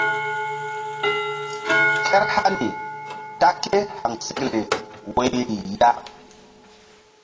Kehr hani ta kéhaŋsekle woyri ya.